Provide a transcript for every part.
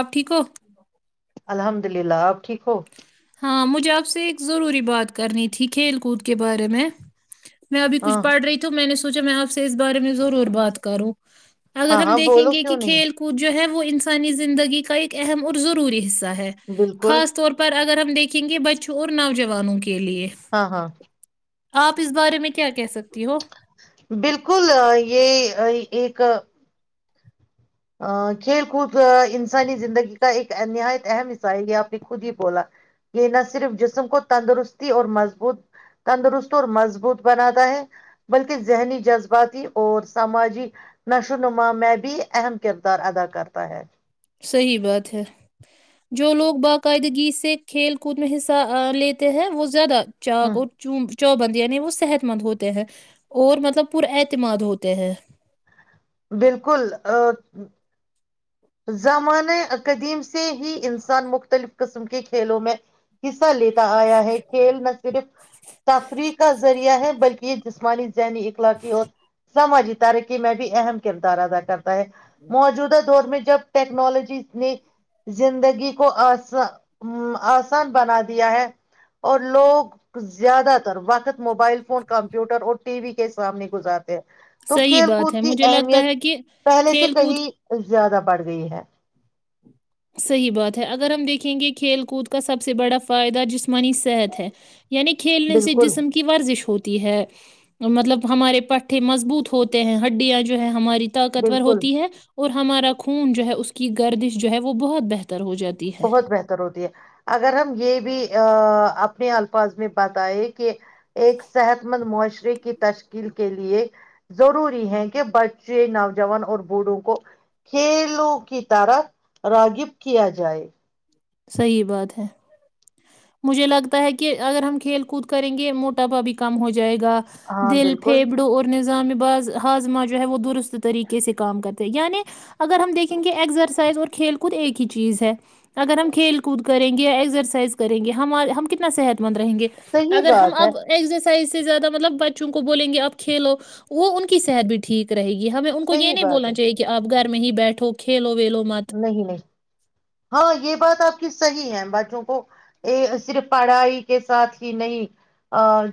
آب ٹھیک ہو الحمد للہ آپ ٹھیک ہو ہاں مجھے آپ سے ایک ضروری بات کرنی تھی کھیل کود کے بارے میں میں ابھی ہاں کچھڑ رہیھیوں میں نے سوچا میں آپ سے اس بارے میں ضرور بات کروں اگر ہاں ہم ہاں دیکھیں بولو گے کیوں کہ نہیں کھیل کود جو ہے وہ انسانی زندگی کا ایک اہم اور ضروری حصہ ہے ہے بالکل خاص اگر ہم دیکھیں گے بچوں اور نوجوانوں کے کے لیے ہاں ہاں آپ اس بارے میں کیا کہہ سکتی ہو بالکل یہ ایک [unintelligible] کھیل کود انسانی زندگی کا ایک نہایت اہم حصہ ہے یہ آپ نے خود ہی بولا یہ نہ صرف جسم کو تندرستی اور مضبوط تندرست اور مضبوط بناتا ہے بلکہ ذہنی جذباتی اور سماجی نشو و نما میں بھی اہم کردار ادا کرتا ہے صحیح بات ہے جو لوگ باقاعدگی سے کھیل کود میں حصہ لیتے ہیں وہ زیادہ چااک ہوں، اور چب چوبند یعنی وہ صحت مند ہوتے ہیں اور مطلب پرا اعتماد ہوتے ہیں بالکل ا زامانۂ قدیم سے ہی انسان مختلف قسم کے کھیلوں میں حصہ لیتا آیا ہے کھیل نہ صرف تفریح کا ذریعہ ہے بلکہ یہ جسمانی ذنی اخلاقی ہو سماجی ترکی میں بھی اہم کردار ادا کرتا موجودہ دور میں جب ٹیکنالوجی نے زندگی کو آس آسان بنا دیا ہے اور لوگ زیادہ تر وقت موبائل فون کمپیوٹر اور ٹی وی کے سامنے گزارتے ہیں تو صحیح کھیل بات کود ہے کی مجھے لگتا اہمیت ہے کہ پہلے سے کھیل کود کہیں زیادہ بڑ گئی ہے صحیح بات ہے اگر ہم دیکھیں گے کھیل کود کا سب سے بڑا فائدہ جسما مانی صحت ہے یعنی کھیلنے سے بالکل جسم کی ورزش ہوتی ہے مطلب ہمارے پٹھے مضبوط ہوتے ہیں ہڈیاں جو ہے ہماری طاقتور بالکل ہوتی ہے اور ہمارا خون جو ہے اس کے کی گردش جو ہے وہ بہت بہتر ہو جاتی ہے بہت بہتر ہوتی ہے اگر ہم یہ بھی ا اپنے الفاظ میں بتائے کہ ایک صحت مند معشرہ کی تشکیل کے لیے ضروری ہے کہ بچے نوجوان اور بوڑھوں کو کھیلوں کی طرح راغب کیا جائے جائے صحیح بات ہے مجھے لگتا ہے کہ اگر ہم کھیل کود کریں گے موٹاپا بھی کم ہو جائے جائے گا ہاں دل بالکل پھیپڑوں اور نظام ہاز ہازمہ جو ہے وہ درست طریقے سے کام کرتا ہے یعنی اگر ہم دیکھیں گے ایگزرسائز اور کھیل خود ایک ہی چیز ہے اگر ہم کھیل کود کریں گے ایکسرسائز کریں گے ہم ہم کتنا صحت مند رہیں گے صحیح اگر ہم بات ہے اب ایکزرسائز زیادہ مطلب بچوں کو بولیں گے آپ کھیلو وہ ان کی صحت بھی ٹھیک رہے گی ہمیں ان کو یہ صحیح نہیں بات بولنا ہے چاہیے کہ آپ گھر میں ہی بیٹھو کھیلو ویلو مت نہیں نہیں ہاں یہ یہ بات آپ کی صحی ہے بچوں کو صرف پڑھائی کے ساتھ ہی نہیں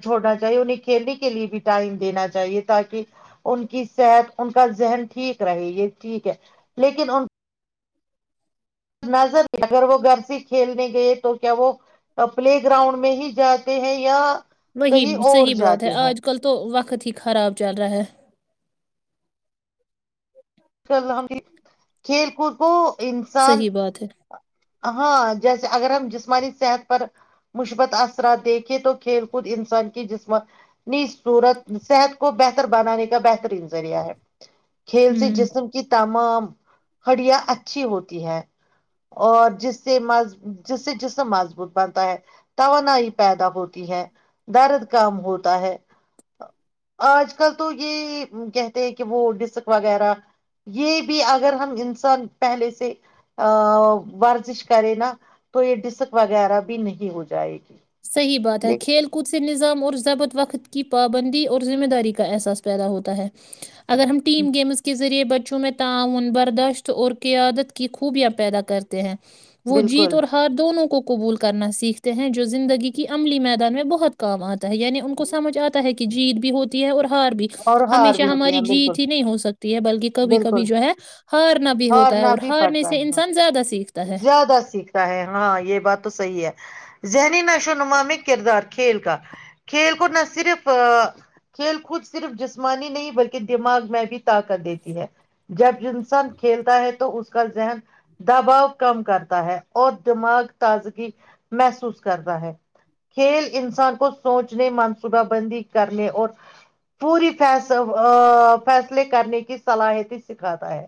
چھوڑنا چاہیے انہیں کھیلنے کے لیے بھی ٹائم دینا چاہیے تاکہ ان کی صحت ان کا ذہن ٹھیک رہے یہ ٹھیک ہے لیکن ان نظر اگر وہ گھر سے کھیلنے گئے تو کیا وہ پلے گراؤنڈ میں ہی جاتے ہیں یا وہی کہیں اور صحیح بات ہے جاتے ہیں آج کل تو وقت وقت ہی خراب چل رہا ہے ہم کھیل کود کو انسان صحیح بات ہے ہاں جیسے اگر ہم جسمانی صحت پر مثبت اثرات دیکھیں تو کھیل کود انسان کی جسمانی صورت صحت کو بہتر بنانے کا بہترین ذریعہ ہے کھیل سے ہوں جس تمام ہڑیاں اچھی ہوتی ہے اور جس سے م جس سے جسم مضبوط بنتا ہے توانائی پیدا ہوتی ہے درد کم ہوتا ہے آج کل تو یہ کہتے ہیں کہ وہ ڈسک وغیرہ یہ بھی اگر ہم انسان پہلے سے ا ورزش کریں نا تو یہ ڈسک وغیرہ بھی نہیں ہو جائے گی صحیح بات ہے کھیل کود سے نظام ضبط وقت کی پابندی اور ذمہ داری کا احساس پیدا ہوتا ہے اگر ہم م گیمز کس ذریعے بچوں میں تعاون برداشت اور قیادت کی خوبیاں پیدا کرتے ہیں وہ جیت بالکل اور ہار دونوں کو قبول کرنا سیکھتے ہیں جو زندگی کی عملی میدان میں بہت کام آتا یعنی ان کو سجھ آتا ہے کہ جیت بھی ہوتی ہے اور ہار بھی اور ہار ہمیشہ بھی ہوتی ہے ہماری بالکل جیت ہی نہیں ہو سکتی ہے بلکہ کبھی کبھی بالکل جو ہے ہارنا بھی ہوتا ہے ہارنا اور بھی ہارنے پڑتا سے ہے انسان زیادہ سیکھتا ہے زیادہ سیکھتا ہے ہاں یہ بات تو صحیح ہے ذہنی نشو و نما میں کردار کھیل کا کھیل کو نہ صرف کھیل کوود صرف جسمانی نہیں بلکہ دماغ میں بھی طاقت دیتی ہے جب انسان کھیلتا ہے تو اس کا ذہن دباؤ کم کرتا ہے اور دماغ تازگی محسوس کرتا ہے کھیل انسان کو سوچنے منصوبہ بندی کرنے اور پوری فی فیصلے کرنے کی صلاحیتی سکھاتا ہے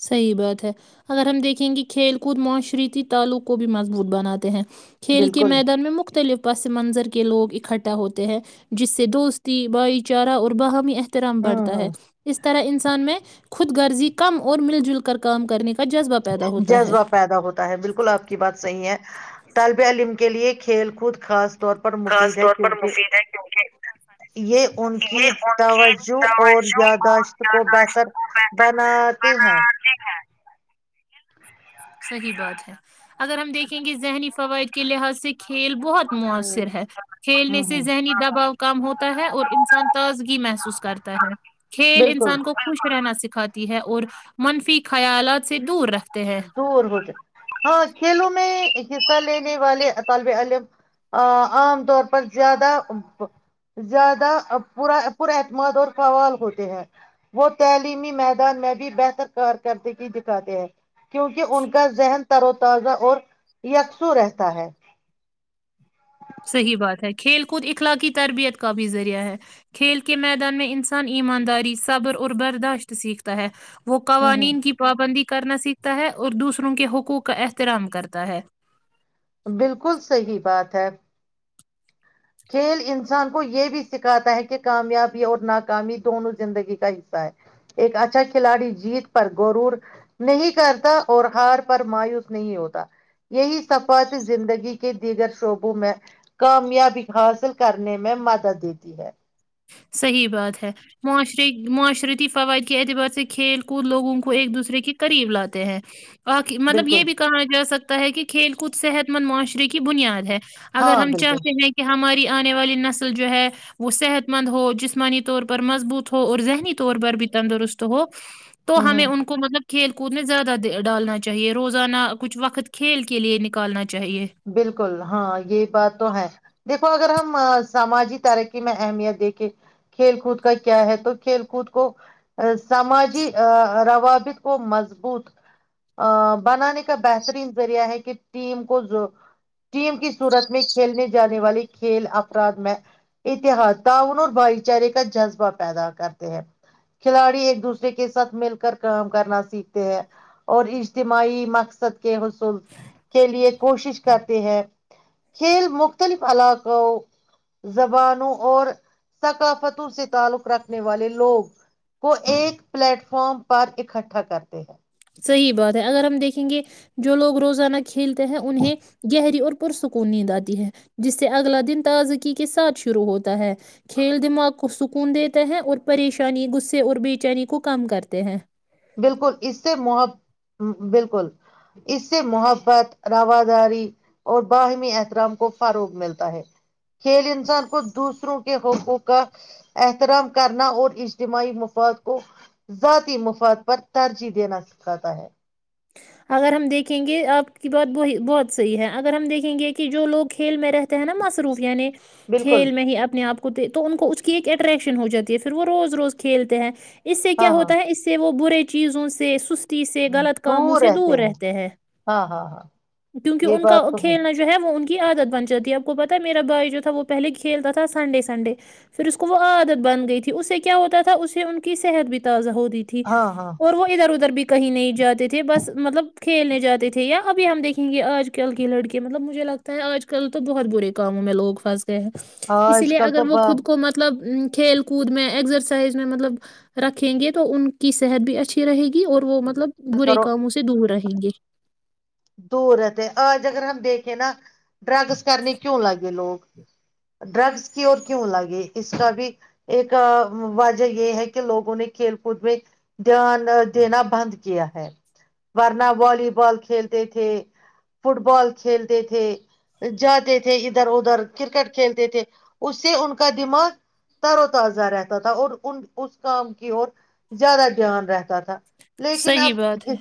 صحیح بات ہے اگر ہم دیکھیں گے کھیل کود معاشرتی تعلق کو بھی مضبوط بناتے ہیں کھیل کے بالکل میدان میں مختلف پس منظر کے لوگ اکٹھا ہوتے ہیں جس سے دوستی بھائی چارہ اور باہمی رم ہوں بڑھتا ہے ہوں اس طرح انسان میں خود غرضی کم اور مل جل کر کام کرنے کے جذبہ پیدا ہوتا ہے بالکل آپ کی بات صحیح ہے تالب علیم کے لیے کھیل کود خاص طور پر خاص مفید ہے طور پر کیونکہ مفید ہے کیونکہ یہ ان کی یہ ان کی توجہ اور توج یاداشت کو اور شت بہتر کو بتر بناتے ہیں بی ہے صحیح بات ہے اگر ہم دیکھیں گے ذہنی فوائد کے لحاظ سے کھیل ب بہت ہ مؤثر ہے کھیلنے ہ سے ذہنی دباؤ کام ہوتا ہے اور انسان تازگی محسوس کرتا ہے کھیل بالکل انسان کو خوش رہنا س کاتی ہے اور منفی خیالات سے دور رکھتی دور ہو ہاں کھیلو میں میں حصہ لینے والے طالب علم عام طور پر زیادہ زیادہا پر اعتماد اور قوال ہوتے ہیں وہ تعلیمی میدان میں بھی بہتر کار کرردگی دکھاتے ہیں کیونکہ ان کا ذہن تر و تازہ اور یکسو رہتا ہے صحیح بات ہے کھیل کود اخلاقی تربیت کا بھی ذریعہ ہے کھیل کے میدان میں انس ان ایمانداری صبر اور برداشت سیکھتا ہے وہ ہوں قوانین کی ہوں پابندی کرنا سیکھتا ہے اور دوسروں کے حقوق کا احترام کرتا ہے بالکل صحی بات اھر کھیل انسان کو یہ بھی سکھاتا ہے کہ کامیابی اور ناکامی دونوں زندگی کا حصہ ہے ایک اچھا کھلاڑی جیت پر گورور نہیں کرتا اور ہار پر مایوس نہیں ہوتا یہی سفات زندگی کے دیگر شعبوں میں کامیابی حاصل کرنے میں مدد دیتی ہے صحیح بات ہے معشر معاشرتی فوائد کے اعتبار سے کھیل کود لوگوں کو ایک دوسرے کے قریب لاتے ہیں مطلب بالکل یہ بھی کہا جا سک طح کہ کھیل کود صحت مند معاشرے کی بنیاد ہے اگر ہاں ہم بالکل چاہتے ہیں کہ ہمارے آنے والی نسل جو ہے وہ صحت مند ہو جسمانی طور پر مضبوط ہو اور ذہنی طور پر بھی تندرست ہو تو ہ ہمیں ہ ان کو مطلب کھیل کود میں زیادہ ڈالنا چاہیے روزانہ کچھ وقت کھیل کے لیے نکالنا چاہے بالکل ہاں یہ بات تو ہے دیکھو اگر ہم سماجی ترقی میں اہمیت دیکھیں کھیل کود کا کیا ہے تو کھیل کود کو سماجی روابط کو مضبوط بنانے کا بہترین ذریعہ ہے کہ ٹیم کو ٹیم کی صورت میں کھیلنے جانے والے کھیل افراد میں اتحاد تعاون اور بھائی چارے کا جذبہ پیدا کرتے ہیں کھلاڑی ایک دوسرے کے ساتھ مل کر کام کرنا سیکھتے ہیں اور اجتماعی مقصد کے حصول کے لیے کوشش کرتے ہیں کھیل مختلف علاقوں زبانوں اور ثقافتوں سے تعلق رکھنے والے لوگ کو ایک پلیٹ فارم پر اکٹھا کرتے ہیں صحیح بات ہے اگر ہم دیکھیں گے جو لوگ روزانہ کھیلتے ہیں انہیں گہری اور پرسکون نیند آتی ہے جس سے اگلا دن تازکی کے ساتھ شروع ہوتا ہے کھیل دماغ کو کو سکون دیتے ہیں اور پریشانی غصے اور بےچینی کو کم کرتے ہیں بالکل اس سے محبت بالکل اس سے محبت رواداری اور باہمی احترام کو فروغ ملتا ہے کھیل انسان کو دوسروں کے حقوق کا احترام کرنا اور اجتماعی مفاد کو ذاتی مفاد پر ترجیح دینا سکھاتا ہے اگر ہم دیکھیں گے آپ کی بات بہت صحیح ہے اگر ہم دیکھیں گے کہ جو لوگ کھیل میں رہتے ہیں نا مصروف یعنی بالکل کھیل میں ہی اپنے آپ کو تو ان کو اس کی ایک اٹریکشن ہو جاتی ہے پھر وہ روز روز کھیلتے ہیں اس سے کیا ہاں ہاں ہوتا ہے اس سے وہ برے چیزوں سے تیی سے غلط کاموں سے دور رہتے ہیں ہاں ہاں ہاں کیونکہ یہ ان کا بات تو کھیلنا جو ہے وہ ان کی عادت بن جاتی ہے اپ کو پتا میرا بھائی جو تھا وہ پہلے کھیلتا تھا سنڈے سنڈے پھر اس کو وہ عادت بن گئی تھی اسے کیا ہوتا تھا اسے ان کی صحت بھی تازہ ہوتی تھی ہاں ہاں اور وہ ادھر ادھر بھی کہیں نہیں جاتے تھ تھے بس مطلب کھیلنے جاتے تھے یا ابھی ہم دیکھیں گے آج کل کی لڑکے مطلب مجھے لگتا ہے آج کل تو بہت برے کام ہوں میں لوگ پھنض ہیں اسی آج لیے کل اگر تو وہ بات خود کو مطلب کھیل کود میں ایکسرسائز میں مطلب رکھیں گے تو ان کی صحت بھی اچھی رہے گی اور وہ مطلب برے کرو کم اس سے دور رہ جی دور رہتے آج اگر ہم دیکھیں نا ڈرگس کرنے کیوں لگے لوگ ڈرگس کی اور کیوں لگے اس کا بھی ایک وجہ یہ ہے کہ لوگوں نے کھیل کود میں دھیان دینا بند کیا ہے ورنہ والی بال کھیل تھے فٹ بال کھیلتے تھے جاتے تھے ادھر ادھر کرکٹ کھیلتے تھے اس سے ان کا دماغ تر و تازہ رہتا تھا اور ان اس کام کی اور زیادہ دھیان رہتا تھا لیکن اب صحیح بات ہے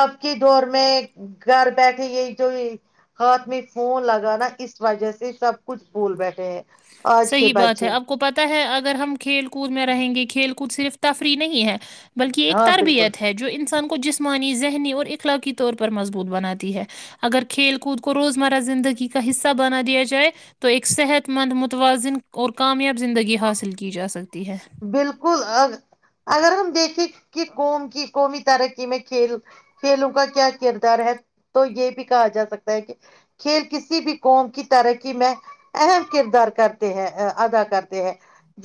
آپ کی دور میں میں گھر بیٹھے یہی جو ہاتھ میں ہو لگا نا اس وجہ سے سب کچھ بھول بیٹھے ہیں آج کے صحی بات ہے بچے آپ کو پتا ہے اگر ہم کھیل کود میں رہیں گے کھیل کو کچھ صرف تفریح نہیں ہے بلکہ ایک ہاں بالکل تربیت ہے جو انسان کو جسمانی ذہنی اور اخلاقی طور پر مضبوط بناتی ہے اگر کھیل کود کو روزمرہ زندگی کا حصہ بنا دیا جائے تو ایک صحت مند م م تووازن اور کامیاب زندگی حاصل کی جا سک بالکل ا اگر ہم دیکھیں کی قوم کی قومی ترقی میں کھیل کھیلوں کا کیا کردار ہے تو یہ بھی کہا جا سکتا ہے کہ کھیل کسی بھی قوم کی ترقی میں اہم کردار کرتے ہیں ادا کرتے ہیں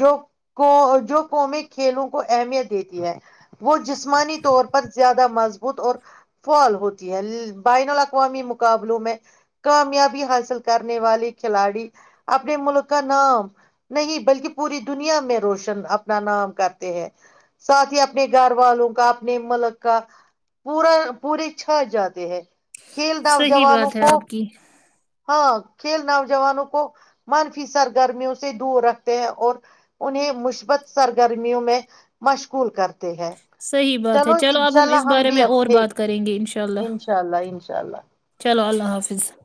جو کو جو قومی کھیلوں کو اہمیت دیتی ہے وہ جسمانی طور پر زیادہ مضبوط اور فال ہوتی ہے بین الاقوامی مقابلوں میں کامیابی حاصل کرنے والے کھلاڑی اپنے ملک کا نام نہیں بلکہ پوری دنیا میں روشن اپنا نام کرتے ہیں ساتھ ہی اپنے گھر والوں کا اپنے ملک کا پا پورے چھت جاتے ہیں کھیل د ج صحیح ن بات ہے کو آپ کی ہاں کھیل نوجوانوں کو منفی سرگرمیوں سے دور رکھتے ہیں اور انہیں مثبت سرگرمیوں میں مشغول کرتے ہیں صحیح بات ہے چلو اب انشاء ہم اس اللہ بارے بھی میں اب اور تھے بات کریں گے ان شاء اللہ انشاء اللہ انشاء اللہ چلو اللہ اللہ حافظ